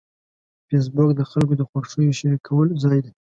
فېسبوک د خلکو د خوښیو شریکولو ځای دی